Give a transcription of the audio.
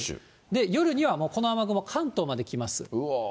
夜にはもうこの雨雲、関東まで来ます。